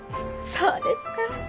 そうですか。